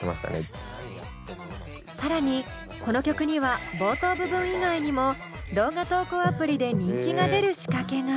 更にこの曲には冒頭部分以外にも動画投稿アプリで人気が出る仕掛けが。